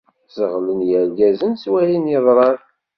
Zeɣlen yergazen s wayen yeḍran